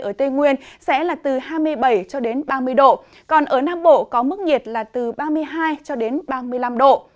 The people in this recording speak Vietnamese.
ở tây nguyên sẽ là từ hai mươi bảy ba mươi độ còn ở nam bộ có mức nhiệt là từ ba mươi hai ba mươi năm độ